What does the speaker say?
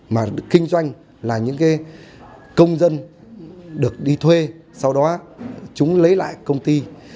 mà kinh doanh là những công dân được đi thuê sau đó chúng lấy lại công ty